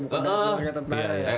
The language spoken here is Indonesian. bukan ada orang yang tetap narah ya